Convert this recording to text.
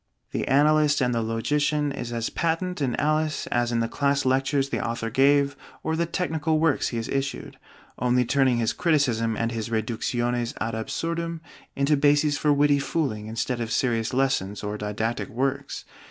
The analyst and the logician is as patent in 'Alice' as in the class lectures the author gave or the technical works he has issued; only turning his criticism and his reductiones ad absurdum into bases for witty fooling instead of serious lessons or didactic works.